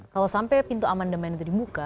kalau sampai pintu aman demen itu dibuka